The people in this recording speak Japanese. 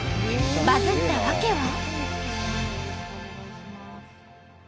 バズった訳は。